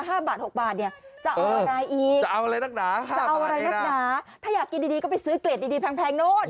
จะเอาอะไรดีอีกเอาอะไรดักหอยธนาถ้าอยากกินดีก็ไปซื้อเกรงดูดีแพงโน้ต